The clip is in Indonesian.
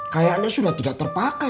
kayaknya sudah tidak terpakai